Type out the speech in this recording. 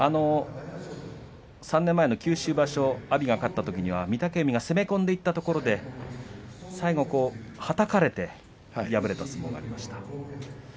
３年前の九州場所阿炎が勝ったときには御嶽海が攻め込んでいったところで最後はたかれて敗れた相撲がありました。